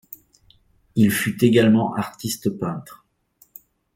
Il fut également artiste peintre.